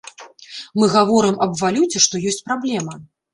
Мы гаворым аб валюце, што ёсць праблема.